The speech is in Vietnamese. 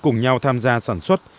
cùng nhau tham gia sản xuất